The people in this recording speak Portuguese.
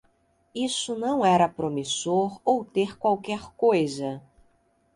Isso não era promissor ou ter qualquer coisa.